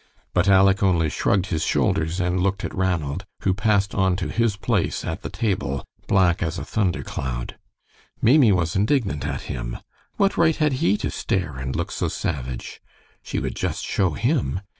But Aleck only shrugged his shoulders and looked at Ranald, who passed on to his place at the table, black as a thunder cloud. Maimie was indignant at him. What right had he to stare and look so savage? She would just show him.